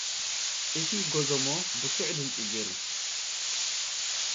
እቲ ጎዞሞ፡ ብርቱዕ ድምጺ ገይሩ።